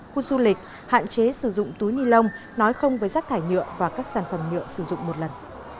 khu du lịch hạn chế sử dụng túi ni lông nói không với rác thải nhựa và các sản phẩm nhựa sử dụng một lần